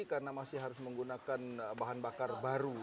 karena masih harus menggunakan bahan bakar baru